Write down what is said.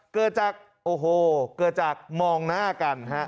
เกิดจากโอ้โหเกิดจากมองหน้ากันฮะ